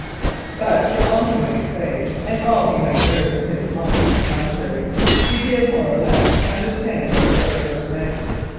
But for all he might say and all that he might urge in his mind to the contrary, he did more or less understand what her outburst meant.